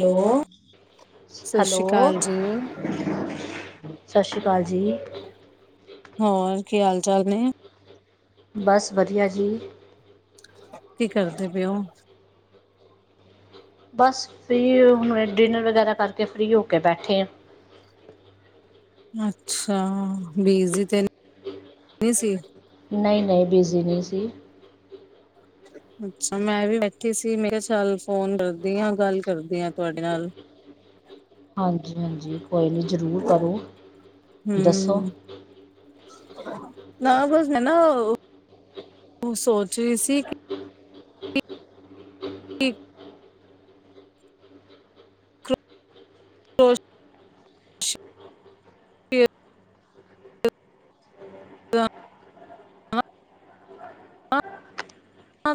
Hello, ਸਤਿ ਸ੍ਰੀ hello ਅਕਾਲ ਜੀ ਸਤਿ ਸ਼੍ਰੀ ਅਕਾਲ ਜੀ, ਹੋਰ ਕੀ ਹਾਲ ਚਾਲ ਨੇ, ਬਸ ਵਧੀਆ ਜੀ, ਕੀ ਕਰਦੇ ਪਏ ਔ, ਬਸ ਫਰੀ ਹੁਣ ਡਿਨਰ ਵਗੈਰਾ ਕਰਕੇ ਫ੍ਰਰੀ ਹੋ ਕੇ ਬੈਠੇ ਆ। ਅੱਛਾ ਬੀਜੀ ਤੇ ਨਹੀਂ ਸੀ ਨਹੀਂ-ਨਹੀਂ ਬਿਜ਼ੀ ਨਹੀਂ ਸੀ। ਅੱਛਾ ਮੈਂ ਵੀ ਬੈਠੀ ਸੀ, ਮੇਰਾ ਚਾਲ ਫੋਨ ਕਰਦੀ ਹਾਂ ਗੱਲ ਕਰਦੀ ਹਾਂ ਤੁਹਾਡੇ ਨਾਲ ਹਾਂਜੀ-ਹਾਂਜੀ, ਕੋਈ ਨੀ ਜ਼ਰੂਰ ਕਰੋ ਦੱਸੋ। ਹਮ ਨਾ ਬਸ ਮੈਂ ਨਾ ਸੋਚ ਰਹੀ ਸੀ। ਠੀਕ। ਹੋਸ਼। ਤੇ।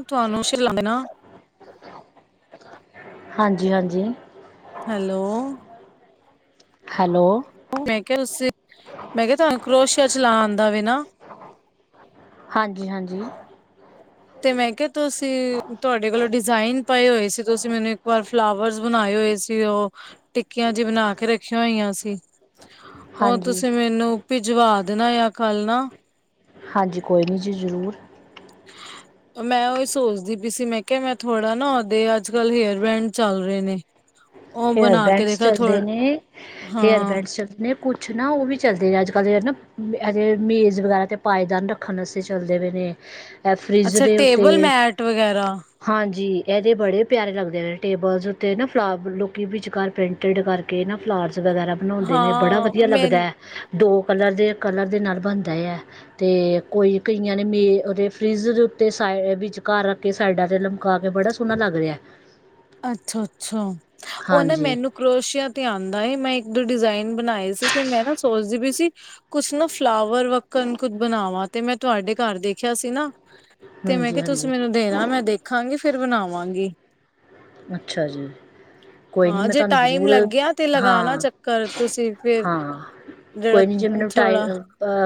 ਤੁਹਾਨੂੰ ਸ਼ਲਾਂ ਦੇ ਨਾ ਹਾਂਜੀ ਹਾਂਜੀ। ਹੈਲੋ। ਹੈਲੋ। ਮੈਂ ਕਿਹਾਿਆ ਉਸੇ ਮੈਂ ਕਿਹਾ ਤੁਹਾਨੂੰ ਕਰੋਸ਼ੀਆ ਚਲਾ ਆਂਦਾ ਵੀ ਨਾ ਹਾਂਜੀ। ਾਂਜੀੀ ਹਾਂਜੀ। ਤੇ ਮੈਂ ਕਿਹਾ ਤੁਸੀਂ ਤੁਹਾਡੇ ਕੋਲੋਂ ਡਿਜ਼ਾਇਨ ਪਾਏ ਹੋਏ ਸੀ ਤੁਸੀਂ ਮੈਨੂੰ ਇੱਕ ਵਾਰ ਫਲਾਵਰ ਬਣਾਏ ਹੋਏ ਸੀ ਉਹ ਟਿੱਕੀਆਂ ਜ ਬਣਾ ਕੇ ਰੱਖੀਆਂ ਹੋਇਆਂ ਸੀ। ਉਹ ਹਾਂਜੀ ਤੁਸੀਂ ਮੈਨੂੰਪੀ ਜਵਾ ਦੇਣਾ ਆ ਕੱਲ ਨਾ ਹਾਂਜੀ ਕੋਈ ਨਹੀਂ ਜੀ ਜ਼ਰੂਰ ਮੈਂ ਉਹੀ ਸੋਚਦੀ ਪਈ ਸੀ ਮੈਂ ਕਿਹਾ ਮੈਂ ਥੋੜਾ ਨਾ ਉਹਦੇ ਅੱਜ ਕੱਲ੍ਹ ਹੇਅਰ ਬੈਂਡ ਚੱਲ ਰਹੇ ਨੇ ਉਹ ਹੇਅਰ ਬਣਾ ਕੇ ਬੈਂਡਸ ਦੇਖਾ ਥੋ ਚੱਲਦੇ ਨੇ ਹੇਅਰ ਹਾਂ ਬੈਂਡਸ ਚੱਲਦੇ ਨੇ ਕੁਛ ਨਾ ਉਹ ਵੀ ਚੱਲਦੇ ਅੱਜ ਕੱਲ ਨਾ ਮੇਜ਼ ਵਗੈਰਾ ਦੇ ਪਾਏਦਾਨ ਰੱਖਣ ਵ ਚੱਲਦੇ ਪਏ ਨੇ। ਇਹ ਫਰਿੱਜ ਅੱਛਾ ਦੇ ਟੇਬਲ ਉੱਤੇ ਮੈਟ ਵਗੈਰਾ ਹਾਂਜੀ ਇਹਦੇ ਬੜੇ ਪਿਆਰੇ ਲੱਗਦੇ ਨੇ ਟੇਬਲ ਉੱਤੇ ਨਾ ਫਲਾੁ ਵਿਚਕਾਰ ਪੇਂਟਡ ਕਰਕੇ ਨਾ ਫਲਾਰ ਵਗੈਰਾ ਬਣਾਉਂਦੇ ਨੇ ਬੜਾ ਹਾਂ ਵਧੀਆ ਮੈਂ ਲੱਗਦਾ ਹੈ। ਦੋ ਕਲਰ ਦੇ ਕਲਰ ਦੇ ਨਾਲ ਬਣਦਾ ਐ ਤੇ ਕੋਈ ਕਈਆਂ ਨੇਂ ਮੇ ਉਹਦੇ ਫਰਿੱਜ਼ ਦੇ ਉੱਤੇ ਸਾਈ ਵਿੱਚ ਘਰ ਰੱਖ ਕੇ ਸਾਈਡਾਂ ਤੇਤੇ ਲਮਕਾ ਕੇ ਬੜਾ ਸੋਹਣਾ ਲੱਗ ਰਿਆ। ਅੱਛਾ ਅੱਛਾ। ਉਹ ਨਾਂ ਮੈਨੂੰ ਕਰੋਸ਼ੀਆ ਤੇ ਆਉਂਦਾ ਐ, ਮੈਂ ਡਿਜ਼ਾਇਨ ਬਣਾਏ ਸੀ ਤੇ ਮੈਂ ਨਾ ਸੋਚਦੀ ਪੀ ਸੀ ਕੁਛ ਨਾ ਫਲਾਵਰ ਵਾਕਣ ਕੁਝ ਬਣਾਵਾਂ ਤੇ ਮੈਂ ਤੁਹਾਡੇ ਘਰ ਦੇਖਿਆ ਸੀ ਨਾਂ ਤੇ ਮੈਂ ਹਾਂਜੀ ਕਿਆ ਹਾਂਜੀ ਤੁਸੀਂ ਮੈਨੂੰ ਦੇਣਾਂ ਮੈਂ ਦੇਖਾਂਗੀ। ਫਿਰ ਬਣਾਵਾਂਗੀ। ਅੱਛਾ ਜੀ, ਕੋਈ ਨੀਂ ਹਾਂ ਮੈਂ ਜੇ ਤੁਆਨੂੰ ਟਾਈਮ ਜ਼ਰੂਰ ਲੱਗਿਆ ਤੇ ਲਗਾਣਾ ਹਾਂ, ਚੱਕਰ ਤੁਸੀਂ ਫਿਰ ਹਾਂ ਜਿਹੜਾ ਕੋਈ ਨੀਂ ਜੇ ਮੈਨੂੰ ਟਾਈ ਥੋੜਾ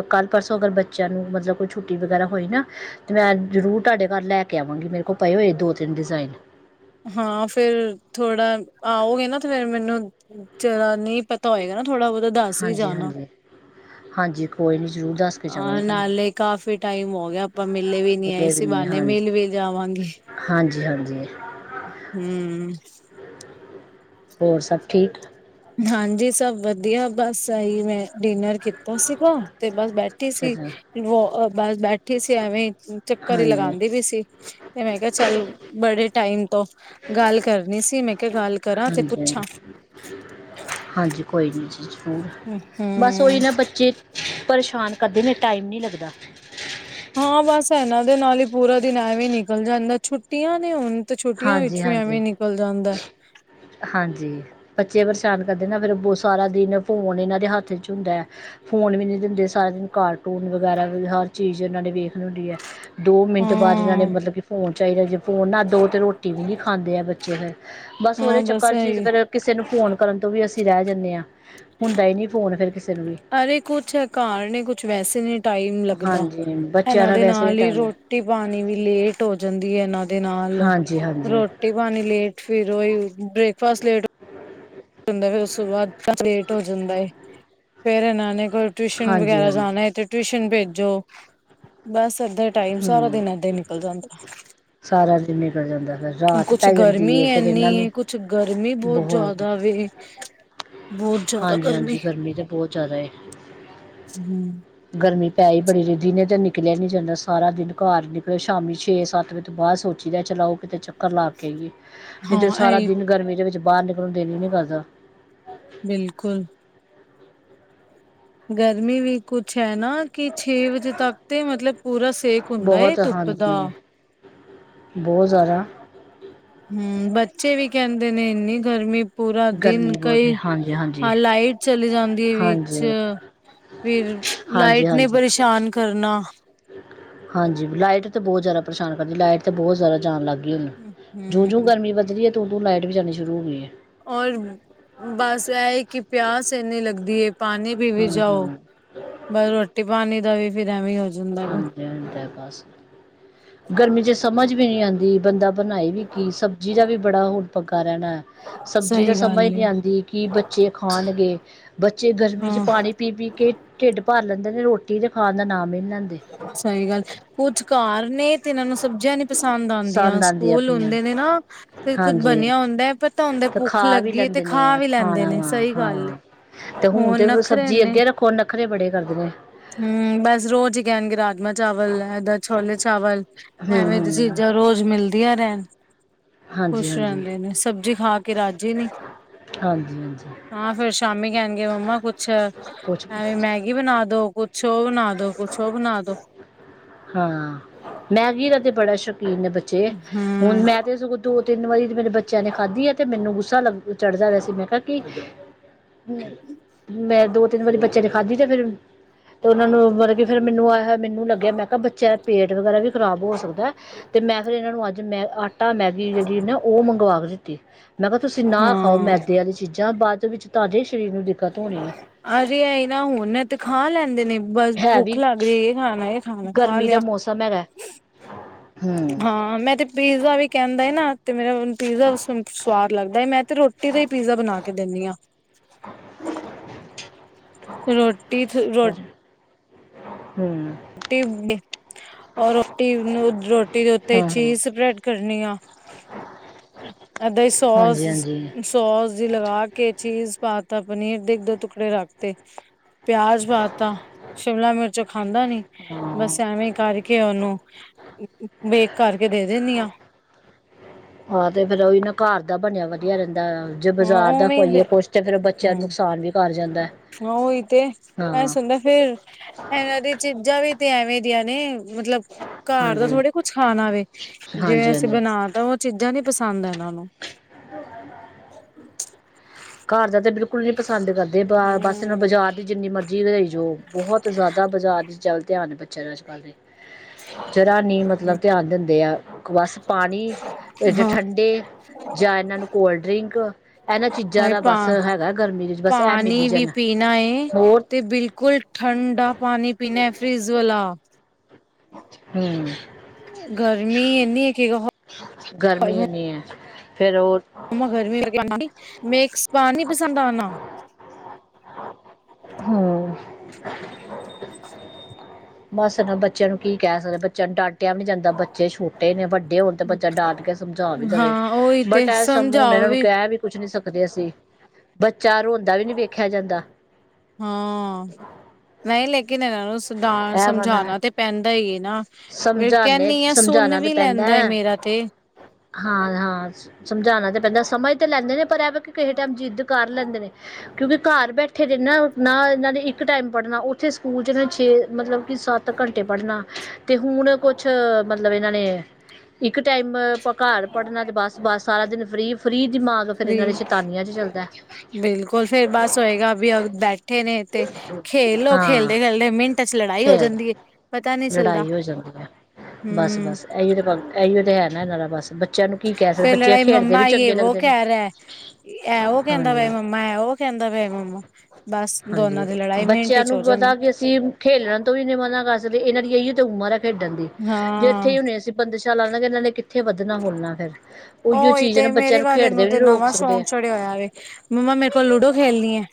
ਕੱਲ ਪਰਸੋਂ ਅਗਰ ਬੱਚਿਆਂ ਨੂੰ ਮਤਲਬ ਕੋਈ ਛੁੱਟੀ ਵਗੈਰਾ ਹੋਈ ਨਾ ਤੇ ਮੈਂ ਜ਼ਰੂਰ ਤੁਆਡੇ ਘਰ ਲੈ ਕੇ ਆਵਾਂਗੀ ਮੇਰੇ ਕੋਲ ਪਏ ਹੋਏ ਦੋ-ਤਿੰਨ ਡਿਜ਼ਾਇਨ ਹਾਂ, ਫਿਰ ਥੋੜਾ ਆਓਗੇ ਨਾਂ ਤੇ ਫਿਰ ਮੈਨੂੰ ਜੇਡਾ ਨਈਂ ਪਤਾ ਹੋਏਗਾ ਨਾਂ ਥੋੜਾ ਬਹੁਤਾ ਦੱਸ ਵੀ ਹਾਂਜੀ ਜਾਣਾ। ਹਾਂਜੀ ਹਾਂਜੀ ਕੋਈ ਨਹੀਂ ਜ਼ਰੂਰ ਦੱਸ ਕੇ ਆਂ ਜਾਵਾਂਗੀ ਨਾਲੇ ਤੁਹਾਨੂੰ ਕਾਫੀ ਟਾਈਮ ਹੋ ਗਿਆ ਆਪਾਂ ਮਿਲੇ ਵੀ ਨੀਂ ਮਿਲੇ ਏਸੈ ਨਹੀਂ ਬਾਨੇ੍ ਹਾਂਜੀ ਮਿਲ ਵੀ ਜਾਵਾਂਗੀ। ਜੀ। ਹਂ ਹੋਰ ਸਭ ਠੀਕ ਹਾਂਜੀ, ਸਭ ਵਧੀਆ ਬਸ ਆਹੀ ਮੈਂ ਡਿਨਰ ਕੀਤਾ ਸੀਗਾ ਤੇ ਬਸ ਬੈਠੀ ਅੱਛਾ ਸੀ ਅੱਛਾ ਬਸ ਬੈਠੀ ਸੀ ਐਵੇਂ ਚੱਕਰ ਹੀ ਹਾਂਜੀ ਲਗਾਉਂਦੀ ਵੀ ਸੀ ਤੇ ਮੈਂ ਕਿਆ ਚੱਲ ਬੜੇ ਟਾਈਮ ਤੋਂ ਗੱਲ ਕਰਨੀ ਸੀ, ਮੈਂ ਕਿਆ ਗੱਲ ਕਰਾਂ ਤੇ ਹਾਂਜੀ ਪੁੱਛਾਂ। ਹਾਂਜੀ ਹਾਂਜੀ, ਕੋਈ ਨੀ ਜੀ। [unintelligible] ਹਮ ਬਸ ਓਹੀ ਹਮ, ਨਾ, ਬੱਚੇ ਪਰੇਸ਼ਾਨ ਕਦੇ ਵੀ ਟਾਈਮ ਨਹੀਂ ਲਗਦਾ। ਹਾਂ, ਬਸ ਇਹਨਾਂ ਦੇ ਨਾਲ ਹੀ ਪੂਰਾ ਦਿਨ ਐਵੇਂ ਨਿਕਲ ਜਾਂਦਾ। ਛੁੱਟੀਆਂ ਨੇ ਹੁਣ। ਤੇ ਛੁੱਟੀਆਂ ਹਾਂਜੀ ਵਿੱਚੋਂ ਹਾਂਜੀ ਐਵੇਂ ਨਿਕਲ ਜਾਂਦਾ। ਹਾਂਜੀ, ਬੱਚੇ ਪਰੇਸ਼ਾਨ ਕਰਦੇ ਨਾਂ ਫਿਰ ਸਾਰਾ ਦਿਨ ਫੋਨ ਇਹਨਾਂ ਦੇ ਹੱਥ ਚ ਹੁੰਦਾ ਐ, ਫੋਨ ਵੀ ਨਹੀਂ ਦਿੰਦੇ। ਸਾਰਾ ਦਿਨ ਕਾਰਟੂਨ ਵਗੈਰਾ, ਹਰ ਚੀਜ਼ ਇਹਨਾਂ ਨੇ ਵੇਖਣ ਹੁੰਦੀ ਐ। ਦੋ ਮਿੰਟ ਬਾਅਦ ਇਹਨਾਂ ਨੇ, ਹਾਂ ਮਤਲਬ ਕਿ ਫੋਨ। ਚਾਈਦਾ ਜ ਫੋਨ ਨਾ ਦੋ ਤੇ ਰੋਟੀ ਵੀ ਨਹੀਂ ਖਾਂਦੇ ਏ ਬੱਚੇ ਫਿਰ ਬਸ ਉਦੇ ਹਾਂ ਚੱਕਰ ਚੀ ਇਹੀ ਫਿਰ ਕਿਸੇ ਨੂੰ ਫੋਨ ਕਰਨ ਤੋਂ ਵੀ ਅਸੀਂ ਰਹਿ ਜਾਂਣੇ ਆਂ, ਹੁੰਦਾ ਈ ਨੀਂ ਫੋਨ ਫੇਰ ਕਿਸ ਅਰੇ, ਕੁਛ ਐ ਘਰ ਨੇ ਕੁਛ ਵੈਸੇ ਨੀਂ ਟਾਈਮ ਲੱਗਦਾ। ਹਾਂਜੀ ਬੱਚਿਆਂ ਇਹਨਾਂ ਦਾ ਦੇ ਵੈਸੇ ਵੀ ਨਾਲ ਹੀ ਟਾਈਮ ਹੈ। ਰੋਟੀ ਪਾਣੀ ਵੀ ਲੇਟ ਹੋ ਜਾਂਦੀ ਐ। ਇਹਨਾਂ ਦੇ ਨਾਲ ਹਾਂਜੀ ਹਾਂਜੀ ਰੋਟੀ-ਪਾਣੀ ਲੇਟ ਫਿਰ [unintelligible] ਬ੍ਰੇਕਫਾਸਟ ਲੇਟ ਹੁੰਦਾ, ਉਸ ਤੋਂ ਬਾਅਦ ਲੇਟ ਹੋ ਜਾਂਦਾ, ਫੇਰ ਇਹਨਾਂ ਨੇ ਫੇਰ ਟਿਊਸ਼ਨ ਹਾਂਜੀ ਵਗੈਰਾ ਹਾਂਜੀ ਜਾਣਾ ਐਂ, ਤੇ ਟਿਊਸ਼ਨ ਭੇਜੋ। ਬਸ। ਏਦਾਂ ਟਾਈਮ ਸਾਰਾ ਹਮ ਦਿਨ ਏਦਾਂ ਹੀ ਨਿਕਲ ਜਾਂਦਾ। ਸਾਰਾ ਦਿਨ ਨਿਕਲ ਜਾਂਦਾ, ਫਿਰ ਰਾਤ ਕੁਛ ਪੈ ਗਰਮੀ ਜਾਂਦੀ ਹੈ। ਫੇਰ ਇਹਨਾਂ ਨੂੰ ਬਹੁਤ ਦਾ ਵੀ। ਬਹੁਤ ਜ਼ਿਆਦਾ ਹਾਂਜੀ ਗਰਮੀ ਹਾਂਜੀ ਤਾਂ ਬਹੁਤ ਜ਼ਿਆਦਾ ਏ ਹਮ। ਗਰਮੀ ਪੈ ਹੀ ਬੜੀ। ਦਿਨੇ ਤਾਂ ਨਿਕਲਿਆ ਨਹੀਂ ਜਾਂਦਾ। ਸਾਰਾ ਦਿਨ ਘਰ। ਨਿਕਲੇ ਸ਼ਾਮੀ ਛੇ ਸੱਤ ਵਜੇ ਤੋਂ ਬਾਅਦ। ਸੋਚੀ ਦਾ ਚਲਾਓ ਕਿਤੇ ਚੱਕਰ ਲਾ ਕੇ ਆਈਏ। ਇਥੇ ਹਾਂ ਸਾਰਾ ਇਹ ਦਿਨ ਗਰਮੀ ਦੇ ਵਿੱਚ। ਬਾਹਰ ਨਿਕਲਣ ਨੂੰ ਦਿਲ ਹੀ ਨਹੀਂ ਕਰਦਾ। ਬਿਲਕੁਲ। ਗਰਮੀ ਵੀ ਕੁੱਛ ਹੈ ਨਾ। ਕਿ ਛੇ ਵਜੇ ਤੱਕ ਤੇ ਮਤਲਬ ਪੂਰਾ ਸੇਕ ਹੁੰਦਾ, ਬਹੁਤ ਧੁੱਪ ਦਾ। ਹਾਂਜੀ ਬਹੁਤ ਜ਼ਿਆਦਾ ਹਮ, ਬੱਚੇ ਵੀ ਕਹਿੰਦੇ ਨੇ ਇੰਨੀ ਗਰਮੀ ਪੂਰਾ ਗਰਮੀ ਦਿਨ ਬਹੁਤ ਕਈ ਹੈ ਹਾਂਜੀ ਹਾਂਜੀ ਹਾਂ ਲਾਈਟ ਚਲੀ ਜਾਂਦੀ ਹੈ ਵਿੱਚ, ਹਾਂਜੀ ਫਿਰ ਹਾਂਜੀ ਲਾਈਟ ਨੇ ਹਾਂਜੀ ਪਰੇਸ਼ਾਨ ਕਰਨਾ ਹਾਂਜੀ ਲਾਈਟ ਤੇ ਬਹੁਤ ਜ਼ਿਆਦਾ ਪ੍ਰੇਸ਼ਾਨ ਕਰਦੀ ਲਾਈਟ ਤੇ ਬਹੁਤਿਆਦਾ ਜਾਣ ਲੱਗਦੀ ਜੂ ਜੂ ਹੂੰ, ਗਰਮੀ ਵਧਹੀ ਹੈ ਉਦੋਂ ਲਾਈਟ ਵੀ ਜਾਣੀ ਸ਼ੁਰੂ ਹੋ ਗਈ ਹੈ। ਔਰ ਬਸ ਇਹ ਹੈ ਕਿ ਪਿਆਸ ਇੰਨੀ ਲੱਗਦੀ ਏ ਪਾਣੀ ਪੀ ਵੀ ਹੂੰ ਜਾਓ ਹੂੰ ਬਸ ਰੋਟੀ ਪਾਣੀ ਦਾ ਵੀ ਫਿਰ ਐਵੇਂ ਜਾਂਦਾ ਵੇ ਹਾਂਜੀ ਹਾਂਜੀ ਗਰਮੀ ਚ ਸਮਝ ਵੀ ਨੀ ਆਉਂਦੀ ਬੰਦਾ ਬਣਾਈ ਵੀ ਕੀ ਸਬਜ਼ੀ ਦਾ ਵੀ ਬੜਾ ਪੰਗਾ ਰਹਿਣਾ ਸਬਜ਼ੀ ਤਾਂ ਸਹੀ ਗੱਲ ਸਮਝ ਨੀ ਏ ਆਉਂਦੀ ਕਿ ਬੱਚੇ ਖਾਣਗੇ ਬੱਚੇ ਗਰਮੀ ਚ ਹਾਂ ਪਾਣੀ ਪੀ ਪੀ ਕੇ ਢਿੱਡ ਭਰ ਲੈਂਦੇ ਇਹ ਨੇ ਰੋਟੀ ਤੇ ਖਾਣ ਦਾ ਨਾਮ ਹੀ ਲੈਂਦੇ ਸਹੀ ਗੱਲ ਕੁੱਝ ਕਾਰ ਨੇ ਤੇ ਇਹਨਾਂ ਨੂੰ ਸਬਜ਼ੀਆਂ ਨੀ ਪਸੰਦ ਆਉਂਦੀਆਂ ਪਸੰਦ ਆਉਂਦੀ ਸਕੂਲ ਆਪਣੀਆਂ ਹੁੰਦੇ ਨੇ ਨਾ ਤੇ ਕੁੱਝ ਹਾਂਜੀ ਬਣਿਆ ਹੁੰਦਾ ਹੈ ਪਤਾ ਹੁੰਦਾ ਅਤੇ ਭੁੱਖ ਖਾ ਵੀ ਲੱਗੀ ਤੇ ਲੈਂਦੇ ਖਾ ਨੇ ਵੀ ਲੈਂਦੇ ਖਾਣਾ ਨੇ ਵਾ ਸਹੀ ਗੱਲ ਹਾਂ ਅਤੇ ਹੁਣ ਤਾਂ ਨਖਰੇ ਸਬਜ਼ੀ ਨੇ ਅੱਗੇ ਰੱਖੋ ਨਖਰੇ ਬੜੇ ਕਰਦੇ ਨੇ ਹਮ ਬਸ ਰੋਜ਼ ਹੀ ਕਹਿਣਗੇ ਰਾਜਮਾ ਚਾਵਲ ਇਹਦਾ ਛੋਲੇ ਚਾਵਲ ਹੂੰ ਐਵੇਂ ਦੀ ਹੂੰ ਚੀਜ਼ਾਂ ਰੋਜ਼ ਮਿਲਦੀਆਂ ਰਹਿਣ ਹਾਂਜੀ ਖੁਸ਼ ਹਾਂਜੀ ਰਹਿੰਦੇ ਨੇ ਸਬਜ਼ੀ ਖਾ ਕੇ ਰਾਜੀ ਨੀ, ਹਾਂਜੀ ਹਾਂਜੀ ਹਾਂ ਫੇਰ ਸ਼ਾਮੀ ਕਹਿਣਗੇ ਮੰਮਾ ਕੁੱਛ ਐਵੇਂ ਕੁਛ ਮੈਂ ਬਣਾ ਦੋ ਕੁਛ, ਬਣਾ ਦੋ ਕੁਛ, ਬਣਾ ਦੋ ਹਾਂ ਮੈਗੀ ਦਾ ਤੇ ਬੜਾ ਸ਼ੋਕ ਨੇ ਬੱਚੇ ਹੁਣ ਹਮ ਮੈਂ ਤੇ ਸਗੋਂ ਦੋ ਤਿੰਨ ਵਾਰੀ ਮੇਰੇ ਬੱਚੇ ਬੱਚ ਨੇ ਖਾਦੀ ਹੈ ਤੇ ਮੈਨ ਗੁੱਸਾ ਲ ਉਹ ਚੜ੍ਹ ਜਾ ਰਿੈ ਸੀ ਮੈਂ ਕਿਹਾ ਕੀ ਹ ਮੈਂ ਦੋ ਤਿੰਨ ਵਾਰੀ ਬੱਚਿਆਂ ਨੇ ਖਾਧੀ ਤੇ ਫੇਿਰ ਉਹਨਾਂ ਮਤਲਬ ਫ ਮੈਨ ਆਇਆਇਆ ਮੈਨੂੰ ਲੱਗਿਆ ਮੈਂ ਬੱਚਿਆਂ ਦਾ ਪੇਟ ਵਗੈਰਾ ਵੀ ਖ਼ਰਾਬ ਹੋ ਸਕਦਾ, ਤੇ ਮੈਂ ਫੇਿਰ ਇਹਨਾਂ ਨੂੰ ਅੱਜ ਮੈਂ ਅੱ ਟਾ ਮੈਗੀ ਜਿਹੜੀ ਨਾ ਉਹ ਮੰਗਵਾ ਕੇ ਦਿੱ ਤੇ ਮੈਂ ਕਿਹਾ ਤੁਸੀਂ ਨਾ ਖਾਓ ਹਾਂ ਮੈਦੇ ਵਾਲੀ ਚੀਜ਼ਾਂ ਜਾਂ ਬਾਅਦ ਵਿੱਚ ਤਾਂਡੇ ਅਰੇ ਇਹ ਨਾ ਹੁਣ ਨਾ ਤੇ ਖਾ ਲੈਂਦੇ ਨੇ ਬਸ ਹੈ ਭੁੱਖ ਵੀ ਲੱਗਦੀ ਇਹ ਖਾਣਾ ਖਾਣਾ ਖਾ ਗਰਮੀ ਦਾ ਲਿਆ ਮੌਸਮ ਹੈਗਾ ਹਮ ਹਾਂ ਮੈਂ ਤੇ ਪੀਜ਼ਾ ਵੀ ਕਹਿੰਦਾ ਐ ਨਾ ਤੇ, ਮੇਰਾ ਪੀਜ਼ਾ ਸਵਾਦ ਲੱਗਦਾ ਹੈ, ਮੈਂ ਤੇ ਰੋਟੀ ਦਾ ਹੀ ਪੀਜ਼ਾ ਬਣਾ ਕੇ ਦਿੰਨੀ ਹਾਂ। ਰੋ ਟੀਫਨ ਰੋਟੀ, ਹੂੰ, ਰੋਟੀ ਔਰ, ਨੂੰ ਰੋਟੀ ਦੇ ਉੱਤੇ ਹਮ ਹਮ ਚੀਜ਼ ਸਪ੍ਰੈਡ, ਫਿਰਨੀ, ਏਦਾਂ ਹੀ ਹਾਂਜੀ ਹਾਂਜੀ ਸੋਸ-ਸੋਸ ਦੀ ਲਗਾ ਕੇ, ਚੀਜ਼ ਪਾਤਾ ਪਨੀਰ ਦੇ ਇੱਕ ਦੋ ਟੁਕੜੇ ਰੱਖ ਤੇ ਪਿਆਜ ਪਾ ਤਾ ਸ਼ਿਮਲਾ ਮਿਰਚ ਖਾ ਹਾਂ ਬਸ ਐਵੇਂ ਕਰ ਰਕੇ ਉਹਨੂੰ, ਵੇਖ ਕਰਕੇ ਦੇ ਦਿਨੀ ਆ। ਆਹ ਤੇ ਫੇਰ ਉਹੀ ਨਾ ਘਰ ਬਣਿਆ ਵਧੀਆ, ਦਾ ਜੇ ਹਾਂ ਬਾਜ਼ਾਰ ਦਾ ਉਵੇਂ ਖਵਾਈਏ ਹੀ ਕੁਛ ਤਾਂ ਫੇਰ ਉਹ ਬੱਚਿਆਂ ਨੂੰ ਹਮ ਨੁਕਸਾਨ ਵੀ ਕਰ ਜਾਂਦਾ ਐ। ਹਾਂ, ਉਹੀ ਤੇ ਐਸ ਹੁੰਦਾ ਫੇਰ ਇਹਨਾਂ ਦੀ ਚਿਜਾਂ ਤੇ ਐਵੇਂ ਦੀਆਂ ਨੇ, ਮਤਲਬ ਘਰ ਦਾ ਹਾਂਜੀ ਥੋੜ੍ਹਾ ਕੁਛ ਖਾਣਾ ਵੇ ਜਿਵੇਂ ਹਾਂਜੀ ਅਸੀਂ ਹਾਂਜੀ ਬਣਾ ਤਾਂ ਉਹ ਚੀਜ਼ਾਂ ਨੀ ਪਸੰਦ ਐ। ਇਹਨਾਂ ਨੂੰ ਘਰ ਦਾ ਤੇ ਬਿਲੁ ਸਕੂਲ ਨੀ ਪਸੰਦ ਕਰਦੇ ਬਸ ਇਹਨਾਂ ਬਾਜ਼ਾਰ ਦੀ ਜਿੰਨੀ ਮਰਜ਼ੀ ਵਧਾਈ ਜਾਓ ਬਹੁਤ ਜ਼ਿਆਦਾ ਬਾਜ਼ਾਰ ਦੀ ਚੱਲ ਧਿਆਨ ਬੱਚਿਆਂ ਨੂੰ ਅਝਜ ਕੱਲ ਤੇ ਜਰਾ ਨੀ ਮਤਲਬ ਧਿਆਨ ਦਿੰਦੇ, ਆ ਬਸ ਪਾਣੀ ਜ ਹਾਂ ਠੰਡੇ ਜਾਂ ਇਹਨਾਂ ਨੂੰ ਕੋਲਡਡਰਿੰਕ ਇਹਨਾਂ ਚੀਜ਼ਾਂ ਹਾਏ ਦਾ ਪਾ ਬਸ ਹੈਗਾ ਗਰਮੀ ਦੇ ਵਿੱਚ ਬਸ ਇਹ ਪਾਣੀ ਮਿਲੀ ਵੀ ਜਾਣ ਪੀਣਾ ਹੋਰ ਤੇ ਬਿਲਕੁਲ ਠੰਡਾ ਪਾਣੀ ਪੀਣਾ ਹੈ ਫਰਿਜ਼ ਵਾਲਾ ਹੂੰ, ਗਰਮੀ ਇਹਨੀ ਕਿ ਫਿਰ ਉਹ, ਮੰਮਾ ਗਰਮੀ ਮੈਕਸਪਾਨ ਨੀ ਪਸੰਦ ਆਨਾ, ਹੂੰ, [unintelligible] ਬੱਸ ਨਾ। ਬੱਚਿਆਂ ਨੂੰ ਕੀ ਕਹਿ ਸਕਦੇ ਬੱਚਿਆਂ ਨੂੰ ਡਾਂਟ ਡਾਂਟਿਆ ਵੀ ਨਹੀਂ ਜਾਂਦਾ ਬੱਚੇ ਛੋਟੇ ਨੇ। ਵੱਡੇ ਹੋਣ ਤੇ ਬੱਚਾ ਡਾਂਟ ਕੇ ਸਮਝਾ ਵੀ ਦੇਵੇ, ਹਾਂ ਉਹੀ ਤੇ ਬਟ ਇਹ ਸਮ ਹੁਣ ਸਮਝਾਓ ਇਹਨਾਂ ਨੂੰ ਕਹਿ ਵੀ ਕੁੱਛ ਨੀ ਸਕਦੇ ਅਸੀਂ। ਬੱਚਾ ਰੋਂਦਾ ਵੀ ਨਹੀਂ ਵੇਖਿਆ ਜਾਂਦਾ। ਕਿ ਸੁਧਾਰਨਾ, ਇਹ ਵਾ ਨਾ ਸਮਝਾਉਣਾ ਤੇ ਪੈਂਦਾ ਈ, ਨਾ ਫਿਰ ਸਮਝਾਨੇ ਕਹਿੰਦੀ ਆ ਸੁਣ ਸਮਝਾਉਣਾ ਵੀ ਲੈਂਦਾ ਮੇਰਾ ਤੇ ਹਾਂ, ਹਾਂ। ਸਮਝਾਉਣਾ ਤਾਂ ਪੈਂਦਾ ਸਮਝ ਤੇ ਲੈਂਦੇ ਨੇ, ਪਰ ਐਵੇ ਕਿਸੇ ਟਾਈਮ ਜਿੱਦ ਕਰ ਲੈਂਦੇ ਨੇ। ਕਿਉਂਕਿ ਘਰ ਬੈਠੇ ਦੇ ਨੇ ਨਾ ਇਹਨਾਂ ਨੇ ਇੱਕ ਟਾਈਮ ਪੜ੍ਹਨਾ ਉੱਥੇ ਸਕੂਲ ਚ ਨਾ ਛੇ ਮਤਲਬ ਕਿ ਸੱਤ ਘੰਟੇ ਪੜ੍ਹਨਾ ਤੇ ਹੁਣ ਕੁਛ ਮਤਲਬ ਇਹਨਾਂ ਨੇ ਇੱਕ ਟਾਈਮ ਆਪ ਘਰ ਪੜ੍ਹਨਾ ਅਤੇ ਬਸ-ਬਸ ਸਾਰਾ ਦਿਨ ਫਰੀ ਫਰੀ ਫਰੀ, ਬਿਲਕੁਲ ਫਿਰ ਬਸ ਹੋਏਗਾ ਵੀ ਬੈਠੇ ਨੇ ਤੇ ਖੇਲੋ ਖੇਲਦੇ-ਖੇਲਦੇ ਮਿੰਟ ਚ ਲੜਾਈ ਹੋ ਖੇਲ ਜਾਂਦੀ ਹੈ ਪਤਾ ਨਹੀਂ ਚੱਲਦਾ ਲੜਾਈ ਹੋ ਜਾਂਦੀ ਹੈ, ਹਮ ਬਸ-ਬਸ, ਇਹੀ-ਇਹੀ ਇਹੀ ਹੈ ਨਾ ਇਹਨਾਂ ਦਾ ਬਸ। ਬੱਚਿਆਂ ਨੂੰ ਕੀ ਕਹਿ ਸਕਦੇ ਫਿਰ ਬੱਚੇ ਲੜਾਈ ਖੇਡਦੇ ਮੰਮਾ ਵੀ ਚੰਗੇ ਵੋ ਲੱਗਦੇ ਨੇ ਕਹਿ ਰਿਹਾ, ਇਹ ਉਹ ਕਹਿੰਦਾ ਹਾਂਜੀ ਪਿਆ, ਮੰਮਾ ਐ ਉਹ ਕਹਿੰਦਾ ਪਿਆ ਮੰਮਾ, ਬਸ ਹਾਂਜੀ ਦੋਨਾਂ ਦੀ ਲੜਾਈ ਮਿੰਟ ਬੱਚਿਆਂ ਚ ਨੂੰ ਹੋ ਜਾਂਦੀ। ਪਤਾ ਕਿ ਅਸੀਂ ਖੇਲਣ ਤੋਂ ਵੀ ਨਹੀਂ ਏਨਾ ਮਨਾ ਕਰ ਸਕਦੇ, ਇਹਨਾਂ ਦੀ ਇਹੀ ਤੇ ਉਮਰ ਹੈ। ਖੇਡਣ ਦੀ ਜੇ ਇਥੇ ਹਾਂ ਹੀ ਹੋਣੀ ਅਸੀਂ ਬੰਦਸ਼ਾ ਲਾਦਾਂਗੇ ਇਹਨਾਂ ਨੇ ਕਿੱਥੇ ਵੱਧਣਾ ਫੁੱਲਣਾ ਫਿਰ ਉਹੀਓ ਉਹੀ ਚੀਜ਼ ਨਾ ਤੇ ਬੱਚਿਆਂ ਮੇਰੇ ਵਾਲੇ ਖੇਡਦੇ ਨੂੰ ਵੀ ਨਹੀਂ ਤੇ ਰੋਕ ਨਵਾਂ ਸਕਦੇ ਸ਼ੌਕ ਚੜਿਆ ਹੋਇਆ ਏ, ਮੰਮਾ ਮੇਰੇ ਕੋਲ ਲੂਡੋ ਖੇਲਣੀ ਹੈ।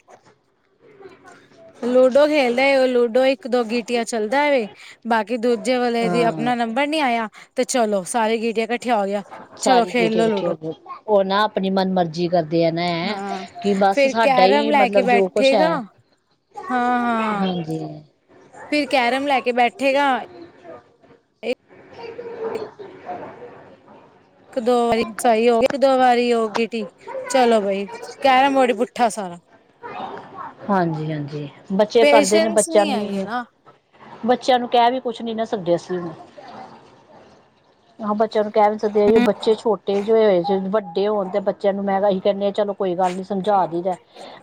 ਲੂਡੋ ਖੇਲਦਾ, ਉਹ ਲੂਡੋ ਇੱਕ ਇੱਕ ਦੋ ਗੀਟੀਆਂ ਚੱਲਦਾ ਵੇ, ਬਾਕੀ- ਕਿ ਦੂਜੇ ਵੇ ਦੀ ਹਾਂ ਆਪਣਾ ਨੰਬਰ ਨੀ ਆਇਆ। ਤੇ ਚਲੋ ਸਾਰੀ ਗੀਟੀਆਂ- ਇਕੱਠੀਆਂ ਹੋ ਗਿਆ ਚਲੋ ਸਾਰੀਆਂ ਖੇਲ ਗੀਟੀਆਂ ਲੋ ਇਕੱਠੇ ਲੂਡੋ ਹੋ ਗਈਆਂ। ਉਹ ਨਾ ਆਪਣੀ ਮਨ ਮਰਜੀ ਕਰਦੇ ਆ ਨਾ ਹੈਂ ਹਾਂ ਕਿ ਬਸ ਫਿਰ ਸਾਡਾ ਕੈਰਮ ਹੀ ਮਤਲਬ ਜੋ ਕੁਛ ਹੈ। ਹਾਂ-ਹਾਂ। ਹਾਂਜੀ ਫਿਰ ਕੈਰਮ ਲੈ ਕੇ ਬੈਠੇਗਾ। [inaudible] ਇੱਕ, ਦੋ ਵਾਰੀ ਸਹੀ ਹੋ। ਇੱਕ, ਦੋ ਵਾਰੀ ਹੋ ਗੀਟੀ ਚਲੋ, ਬਾਈ ਕੈਰਮ ਬੋਰਡ ਪੁੱਠਾ ਸਾਰਾ। ਹਾਂਜੀ-ਹਾਂਜੀ। ਬੱਚੇ ਕਰਦੇ ਨੇ ਪੇਸ਼ੈਂਸ ਬੱਚਿਆਂ ਨੀ ਨੂੰ ਹੈਗੇ ਹੀ, ਨਾ ਬੱਚਿਆਂ ਨੂੰ ਕਹਿ ਵੀ- ਕੁਛ ਨਹੀਂ ਕਹਿ ਸਕਦੇ ਨਾ, ਅਸੀਂ ਹੁਣ। ਆਹੋ ਬੱਚਿਆਂ ਨੂੰ ਕਹਿ ਵੀ ਨਹੀਂ ਸਕਦੇ ਆ, ਬੱਚੇ ਛੋਟੇ ਜੋ ਹੋਏ, ਵੱਡੇ ਹੋਣ ਤੇ ਬੱਚਿਆਂ ਨੂੰ ਮੈਂ ਕਿਹਾ, ਕਹਿੰਦੇ ਹਾਂ ਚਲੋ। ਕੋਈ ਗੱਲ ਨੀ ਸਮਝਾ ਦਈਦਾ।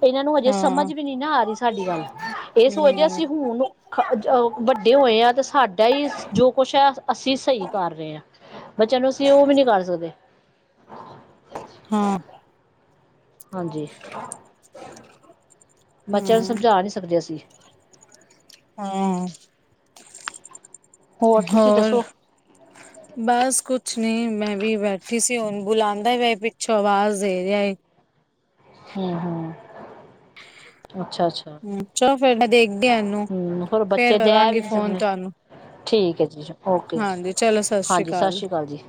ਇਹਨਾਂ ਨੂੰ ਹਜੇ- ਹਾਂ ਸਮਝ ਵੀ ਨੀ ਨਾ ਆਰੀ ਸਾਡੀ ਗੱਲ, ਏਸ ਵਜੈ ਹਮ ਅਸੀਂ ਹੁਣ ਖ ਜਉ ਵੱਡੇ ਹੋਏ ਆਂ ਤੇ ਸਾਡਾ ਹੀ ਜੋ ਕੁਛ ਹੈ ਅਸੀਂ ਸਹੀ ਕਾਰ ਰਹੇ ਆਂ, ਬੱਚਿਆਂ ਨੂੰ ਅਸੀਂ ਓਹ ਵੀ ਨੀ ਕਰ ਸਕਦੇ। ਹਾਂ। ਹਾਂਜੀ‌। ਬੱਚਿਆਂ ਨੂੰ ਹਮ ਸਮਝਾ ਨੀ ਸਕਦੇ, ਅਸੀਂ। ਹਾਂ ਤੁਸੀਂ ਹੋਰ, ਦੱਸੋ ਬਸ ਕੁਛ ਨਹੀਂ ਮੈਂ ਵੀ ਬੈਠੀ ਸੀ ਹੋਨ ਬੁਲਾਂਦਾ ਪੇਈ ਪਿੱਛੋਂ ਆਵਾਜ਼ ਦੇ ਰਿਆ ਏ। ਹੂੰ ਹੂੰ। ਅੱਛਾ ਅੱਛਾ, ਹੂੰ ਚਲੋ ਫੇਰ ਮੈਂ ਦੇਖਦੀ ਆ ਇਹਨੂੰ ਹੂੰ ਫੇਰ ਬੱਚੇ ਜੈ ਵੀ ਕਰਾਂਗੀ ਨੀ ਫੋਨ ਸਕਦੇ, ਤੁਹਾਨੂੰ ਠੀਕ ਹੈ ਜੀ ਓਕੇ ਜੀ, ਹਾਂਜੀ ਚਲੋ ਸਤਿ ਹਾਂਜੀ ਸਤ ਅਕਾਲ ਸ੍ਰੀ ਕਾਲ ਜੀ,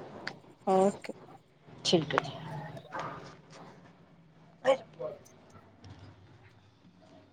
ਓਕੇ। ਠੀਕ ਹੈ ਜੀ।